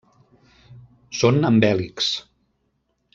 Són amb hèlixs.